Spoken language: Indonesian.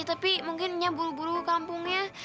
tapi mungkin nyambul buru kampungnya